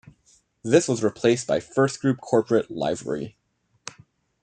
This was replaced by FirstGroup corporate livery.